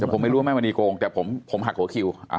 แต่ผมไม่รู้ว่าแม่มณีโกงแต่ผมหักหัวคิว